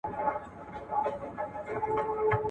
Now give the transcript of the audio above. د بې وزلو ژوند تر شتمنو خلګو ډیر سخت وي.